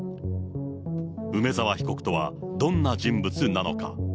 梅沢被告とはどんな人物なのか。